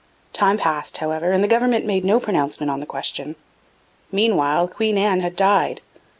Time passed, however, and the government made no pronouncement on the question. Meanwhile Queen Anne had died.